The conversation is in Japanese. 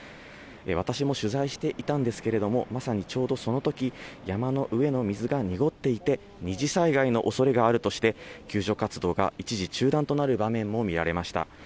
私も取材していたんですけれども、まさにちょうどそのとき、山の上の水が濁っていて、二次災害のおそれがあるとして、救助活動が一時、中断となる場面も見られました。